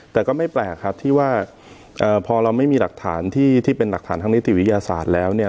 แต่ก็ไม่แปลกครับที่ว่าพอเราไม่มีหลักฐานที่เป็นหลักฐานทางนิติวิทยาศาสตร์แล้วเนี่ย